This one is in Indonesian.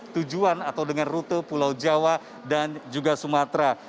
tujuan atau dengan rute pulau jawa dan juga sumatera